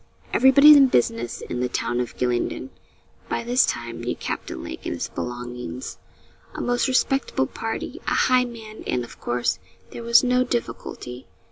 Everybody 'in business' in the town of Gylingden, by this time, knew Captain Lake and his belongings a most respectable party a high man; and, of course, there was no difficulty.